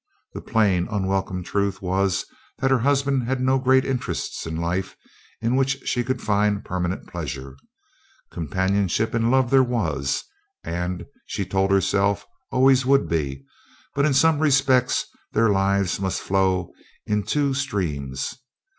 The plain, unwelcome truth was that her husband had no great interests in life in which she could find permanent pleasure. Companionship and love there was and, she told herself, always would be; but in some respects their lives must flow in two streams.